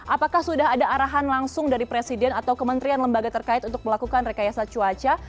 apakah sudah ada arahan langsung dari presiden atau kementerian lembaga terkait untuk melakukan rekayasa cuaca